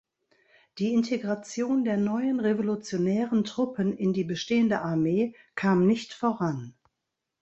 Die Integration der neuen revolutionären Truppen in die bestehende Armee kam nicht voran.